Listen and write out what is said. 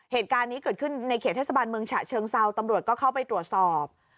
เหตุการณ์นี้เกิดขึ้นในเขตเทศบาลเมืองฉะเชิงเซาตำรวจก็เข้าไปตรวจสอบ